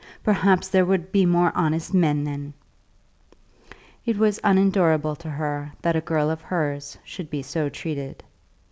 Perhaps there would be more honest men then." It was unendurable to her that a girl of hers should be so treated.